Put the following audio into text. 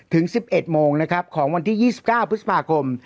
ถึง๑๑โมงนะครับของวันที่๒๙พฤษภาคม